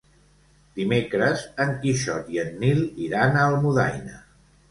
Dimecres en Quixot i en Nil iran a Almudaina.